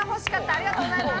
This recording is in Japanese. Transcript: ありがとうございます。